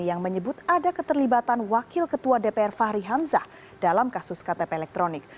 yang menyebut ada keterlibatan wakil ketua dpr fahri hamzah dalam kasus ktp elektronik